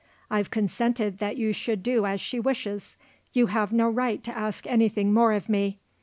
I've consented that you should do as she wishes. You have no right to ask anything more of me.